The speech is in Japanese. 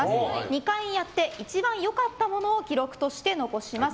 ２回やって一番良かったものを記録として残します。